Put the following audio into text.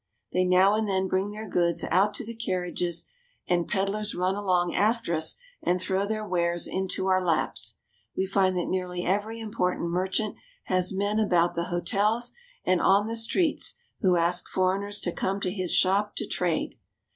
They now and then bring their goods out to the carriages ; and peddlers run along after us and throw their wares into our laps. We find that nearly every important merchant has men " It is made of the purest white marble." about the hotels and on the streets who ask foreigners to .come to his shop to trade.